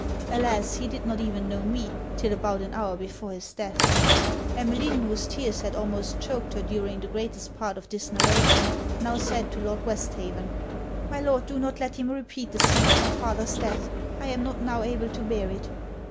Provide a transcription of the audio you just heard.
Alas! he did not even know me, till about an hour before his death.' Emmeline, whose tears had almost choaked her during the greatest part of this narration, now said to Lord Westhaven 'My Lord, do not let him repeat the scene of my father's death; I am not now able to bear it.'